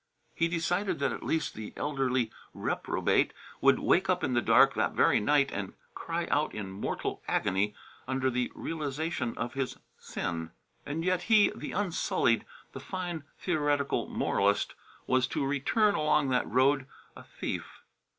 He decided that at least the elderly reprobate would wake up in the dark that very night and cry out in mortal agony under the realization of his sin. And yet he, the unsullied, the fine theoretical moralist, was to return along that road a thief.